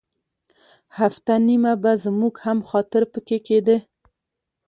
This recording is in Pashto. هفته نیمه به زموږ هم خاطر په کې کېده.